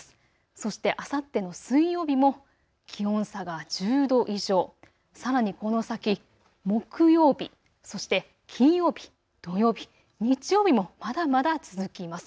そしてあさっての水曜日も気温差が１０度以上、さらにこの先、木曜日そして金曜日、土曜日、日曜日もまだまだ続きます。